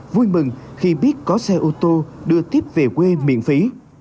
vui mừng khi biết có xe ô tô đưa tiếp về quê miễn phí